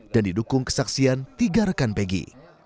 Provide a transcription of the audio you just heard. dan didukung kesaksian tiga rekan pegi